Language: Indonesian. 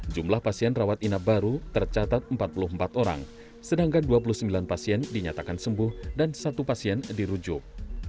jumlah pasien rawat inap baru tercatat empat puluh empat orang sedangkan dua puluh sembilan pasien dinyatakan sembuh dan satu pasien dirujuk